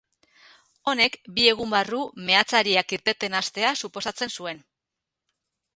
Honek, bi egun barru meatzariak irteten hastea suposatzen zuen.